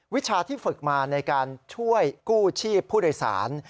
วิชาที่ฝึกมาในการช่วยกู้ชีพผู้โดยสาร